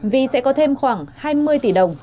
vì sẽ có thêm khoảng hai mươi tỷ đồng